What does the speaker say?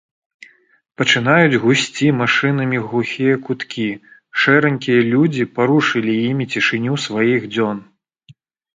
Пачынаюць гусці машынамі глухія куткі, шэранькія людзі парушылі імі цішыню сваіх дзён.